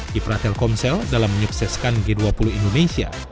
kiprah telkomsel dalam menyukseskan g dua puluh indonesia